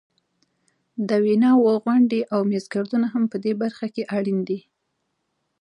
د ویناوو غونډې او میزګردونه هم په دې برخه کې اړین دي.